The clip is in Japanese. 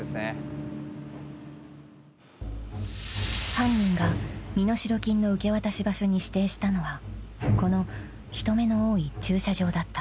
［犯人が身代金の受け渡し場所に指定したのはこの人目の多い駐車場だった］